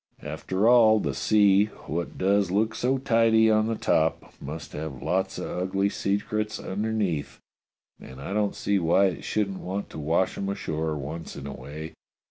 After all, the sea, what does look so tidy on the top, must have lots of ugly secrets underneath, and I don't see why it shouldn't want to wash 'em ashore once in a way.